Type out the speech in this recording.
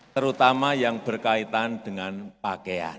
terutama yang berkaitan dengan pakaian